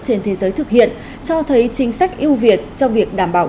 trên thế giới thực hiện cho thấy chính sách yêu việt trong việc đảm bảo